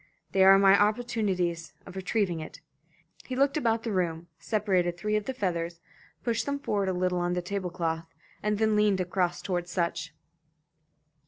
They are my opportunities of retrieving it." He looked about the room, separated three of the feathers, pushed them forward a little on the tablecloth, and then leaned across toward Sutch.